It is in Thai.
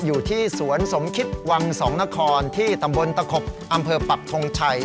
อยู่ที่สวนสมคิดวังสองนครที่ตำบลตะขบอำเภอปักทงชัย